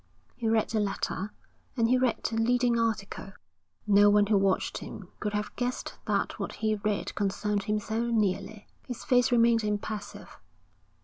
He read the letter, and he read the leading article. No one who watched him could have guessed that what he read concerned him so nearly. His face remained impassive.